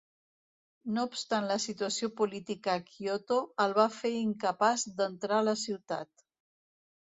No obstant la situació política a Kyoto el va fer incapaç d'entrar a la ciutat.